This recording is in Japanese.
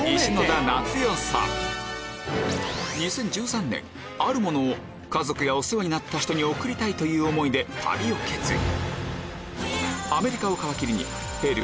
誰もが憧れるまずは２０１３年あるものを家族やお世話になった人に贈りたいという思いで旅を決意